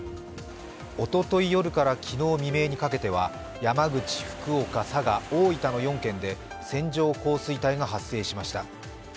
おととい夜から昨日未明にかけては山口、福岡、佐賀、大分の４県で線状降水帯が発生しました。